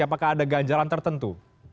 apakah ada ganjaran tertentu